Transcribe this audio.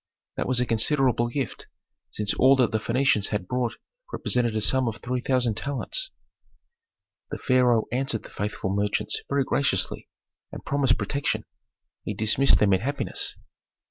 That was a considerable gift, since all that the Phœnicians had brought represented a sum of three thousand talents. The pharaoh answered the faithful merchants very graciously, and promised protection. He dismissed them in happiness.